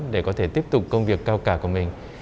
để có thể tiếp tục công việc cao cả của mình